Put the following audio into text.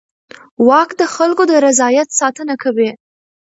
واک د خلکو د رضایت ساتنه کوي.